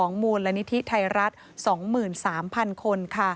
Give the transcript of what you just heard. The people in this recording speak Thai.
ของมูลละนิติไทรัฐสองหมื่นสามพันคน